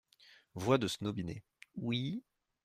Voix de Snobinet. — Oui…